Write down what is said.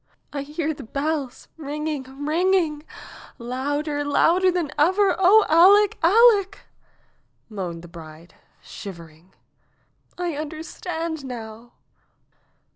^'I hear the bells ringing, ringing — louder, louder than ever ! Oh, Aleck ! Aleck !" moaned the bride, shiv ering. ''I understand now.